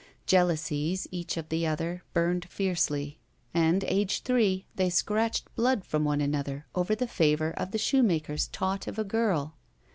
J^ousies, each of the other, burned fiercely, 223 ROULETTE and, aged three, they scratched blood from one an other over the favor of the shoemaker's tot of a giil.